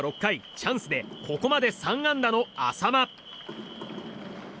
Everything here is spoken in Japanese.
チャンスでここまで３安打の淺間。